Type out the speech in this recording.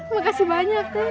makasih banyak teh